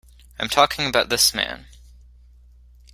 I'm talking about this man.